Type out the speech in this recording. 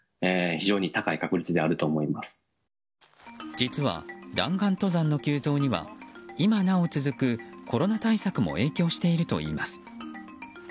実は、弾丸登山の急増には今なお続くコロナ対策も影響しているといいます。